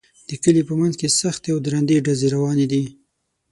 د کلي په منځ کې سختې او درندې ډزې روانې دي